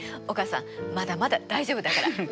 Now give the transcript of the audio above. お母さんまだまだ大丈夫だから。